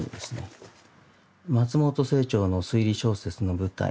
「松本清張の推理小説の舞台。